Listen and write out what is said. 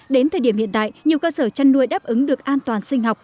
đến thời điểm hiện tại nhiều cơ sở chăn nuôi đáp ứng được an toàn sinh học